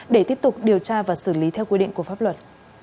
để tiếp tục điều tra và xử lý theo quy định của pháp luật